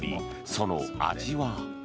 その味は？